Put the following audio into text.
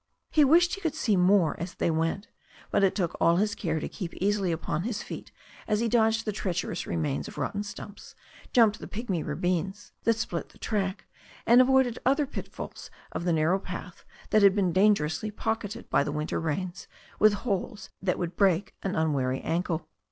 He wished he could see more as they went, but it took all his care to keep easily upon his feet as he dodged the treacherous remains of rotten stumps, jumped the pigmy ravines that split the track, and avoided other pitfalls of the narrow path that had been dangerously pocketed by the winter rains with holes that would break an unwary ankle.